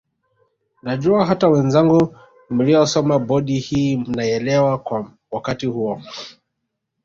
Najua hata wenzangu mliosoma bodi hii mnaielewa kwa wakati huo